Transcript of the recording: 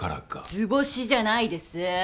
図星じゃないです！